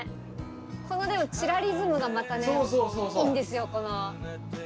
このでもチラリズムがまたねいいんですよこの。